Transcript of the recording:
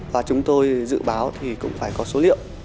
và chúng tôi dự báo thì cũng phải có số liệu